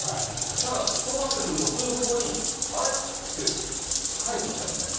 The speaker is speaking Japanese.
ただ、そうなってくると、数分後に、あれ？って返ってきちゃうんですね。